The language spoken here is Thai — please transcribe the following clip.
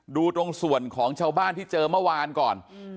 ดูตรงส่วนของชาวบ้านที่เจอเมื่อวานก่อน